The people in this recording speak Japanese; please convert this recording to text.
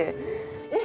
えっ！？